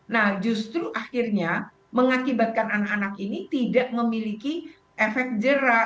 nah justru akhirnya mengakibatkan anak anak ini tidak memiliki efek jerah